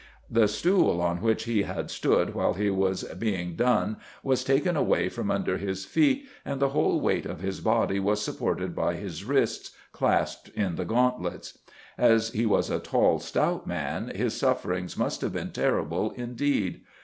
The stool on which he had stood while this was being done was taken away from under his feet and the whole weight of his body was supported by his wrists, clasped in the gauntlets. As he was a tall, stout man his sufferings must have been terrible indeed.